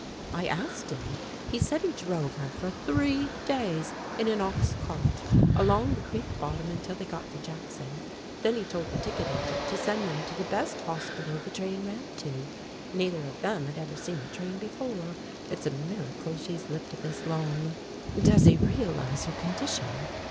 "I asked him. He said he drove her for three days in an ox cart along the creek bottom until they got to Jackson. Then he told the ticket agent to send them to the best hospital the train ran to. Neither of them had ever seen a train before. It's a miracle she's lived this long." "Does he realize her condition?"